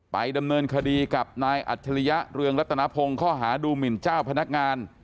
ไปดำเนินคดีกับนายอัจฉริยะเรืองรัตนพงศ์ข้อหาดูหมินเจ้าพนักงาน